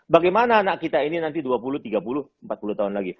bagaimana anak kita ini nanti dua puluh tiga puluh empat puluh tahun lagi